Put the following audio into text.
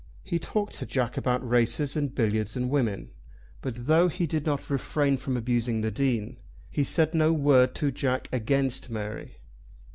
He talked to Jack about races and billiards, and women; but though he did not refrain from abusing the Dean, he said no word to Jack against Mary.